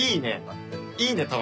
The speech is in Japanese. いいね！